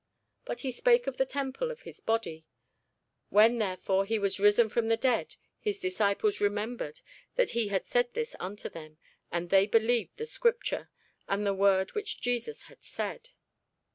But he spake of the temple of his body. When therefore he was risen from the dead, his disciples remembered that he had said this unto them; and they believed the scripture, and the word which Jesus had said.